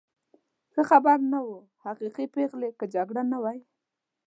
ښه خبر نه و، حقیقي پېغلې، که جګړه نه وای.